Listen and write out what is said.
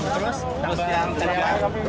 terus yang kelima